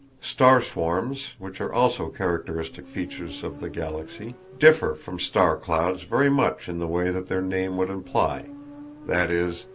Star swarms, which are also characteristic features of the Galaxy, differ from star clouds very much in the way that their name would imply—_i.e.